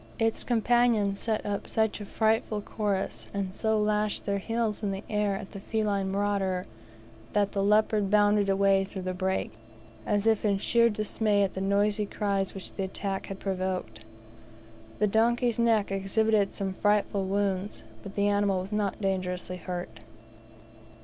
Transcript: Its companions set up such a frightful chorus, and so lashed their heels in the air at the feline marauder, that the leopard bounded away through the brake, as if in sheer dismay at the noisy cries which the attack had provoked. The donkey's neck exhibited some frightful wounds, but the animal was not dangerously hurt.